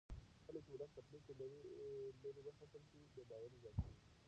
کله چې ولس له پرېکړو لرې وساتل شي بې باوري زیاتېږي